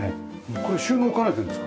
これ収納も兼ねてるんですか？